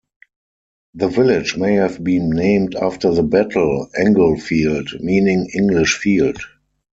The village may have been named after the battle, Englefield meaning "English field".